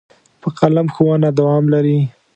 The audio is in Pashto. په قلم ښوونه دوام لري.